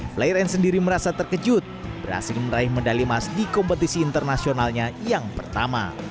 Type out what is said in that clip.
fleiren sendiri merasa terkejut berhasil meraih medali mas di kompetisi internasionalnya yang pertama